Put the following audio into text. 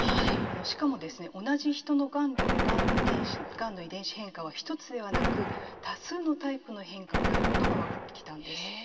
しかも同じ人のがんでもがんの遺伝子変化は１つではなく多数のタイプの変化があることが分かってきたんです。